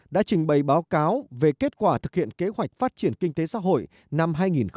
đã trình bày báo cáo về kết quả thực hiện kế hoạch phát triển kinh tế xã hội năm hai nghìn một mươi chín